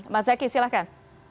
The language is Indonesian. mas zaky silahkan